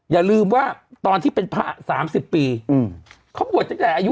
อย่าลืมว่าตอนที่เป็นผ่า๓๐ปีเขาบ่วนจนได้อายุ๑๐